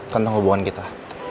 tentang hubungan kita